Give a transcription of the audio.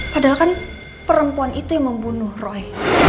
padahal kan perempuan itu yang membunuh roy